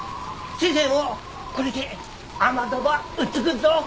先生もこれで雨戸ば打っつくっぞ。